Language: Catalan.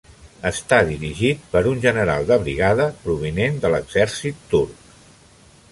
Està dirigit per un general de brigada provinent de l'exèrcit turc.